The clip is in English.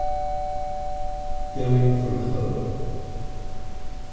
GOING FROM HOME.